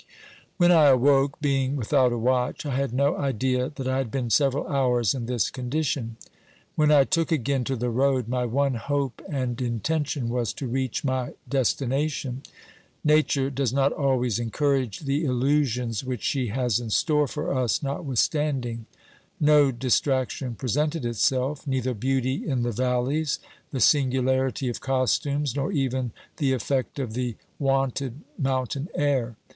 When I awoke, being without a watch, I had no idea that I had been several hours in this condition. When I took again to the road, my one hope and intention was to reach my destination. Nature does not always encourage the illusions which she has in store for us notwithstand ing. No distraction presented itself, neither beauty in the valleys, the singularity of costumes, nor even the effect of the wonted mountain air.